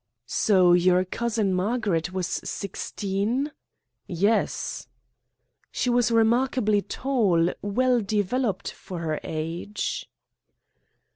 "So your cousin Margaret was sixteen?" "Yes." "She was remarkably tall, well developed for her age."